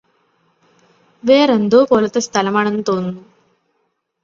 വേറെന്തോപോലത്തെ സ്ഥലമാണെന്ന് തോന്നുന്നു